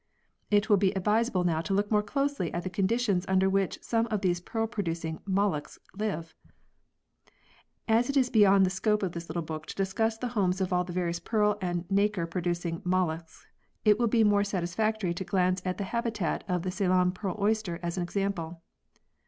It will be advisable now to look more closely at the conditions under which some of these pearl producing molluscs live. As it is beyond the scope of this little book to discuss the homes of all the various pearl and nacre producing molluscs, it will be more satisfactory to glance at the habitat of the Ceylon pearl oyster as an example.